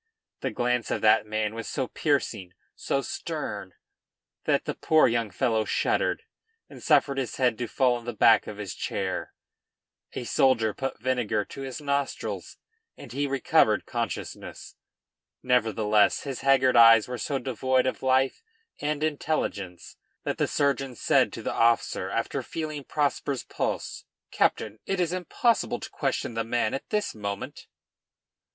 The glance of that man was so piercing, so stern, that the poor young fellow shuddered, and suffered his head to fall on the back of his chair. A soldier put vinegar to his nostrils and he recovered consciousness. Nevertheless his haggard eyes were so devoid of life and intelligence that the surgeon said to the officer after feeling Prosper's pulse, "Captain, it is impossible to question the man at this moment."